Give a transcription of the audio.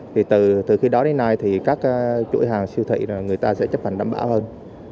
thì từ khi đó đến nay thì các chuỗi hàng siêu thị người ta sẽ chấp hành đảm bảo hơn